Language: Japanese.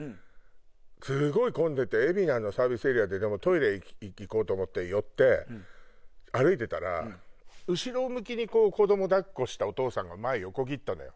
すごい混んでて海老名のサービスエリアでトイレ行こうと思って寄って歩いてたら後ろ向きに子供を抱っこしたお父さんが前横切ったのよ。